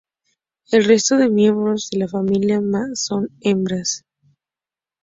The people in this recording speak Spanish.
El resto de miembros de la familia son hembras.